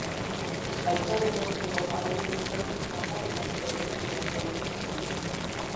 Aitaren aldeko ahaideez gain, amarenak ere deitu beharko dituzue.